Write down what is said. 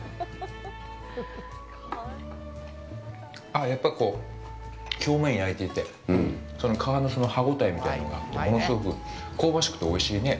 あっ、やっぱり表面を焼いていて、その皮の歯応えみたいなのが物すごく香ばしくておいしいね。